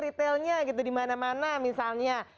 retailnya gitu di mana mana misalnya